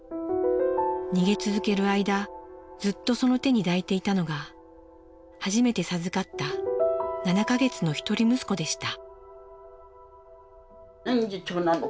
逃げ続ける間ずっとその手に抱いていたのが初めて授かった７か月の一人息子でした。